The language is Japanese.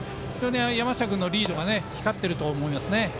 山下君のリードが光っていると思います。